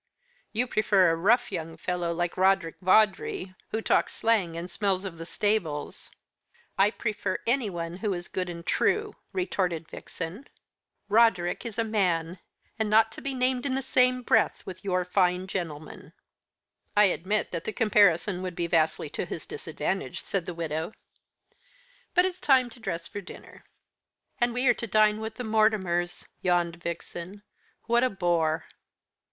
"You prefer a rough young fellow, like Roderick Vawdrey, who talks slang, and smells of the stables." "I prefer anyone who is good and true," retorted Vixen. "Roderick is a man, and not to be named in the same breath with your fine gentleman." "I admit that the comparison would be vastly to his disadvantage," said the widow. "But it's time to dress for dinner." "And we are to dine with the Mortimers," yawned Vixen. "What a bore!"